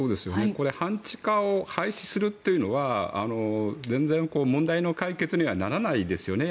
これ半地下を廃止するというのは全然問題の解決にはならないですよね。